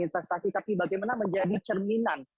investasi tapi bagaimana menjadi cerminan